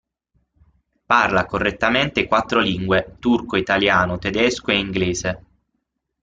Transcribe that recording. Parla correttamente quattro lingue, turco, italiano, tedesco e inglese.